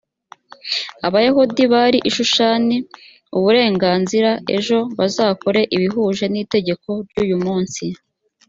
abayahudi bari i shushani uburenganzira ejo bazakore ibihuje n itegeko ry uyu munsi